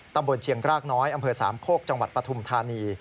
ตำบลเชียงรากน้อยอำเภอสามโคกจังหวัดปฐุมธานี